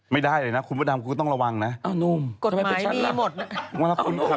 ไม่ได้เลยนะคุณพระดำก็ต้องระวังนะเอานุ่มทำไมเป็นชั้นละ